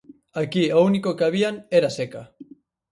Aquí o único que habían era seca.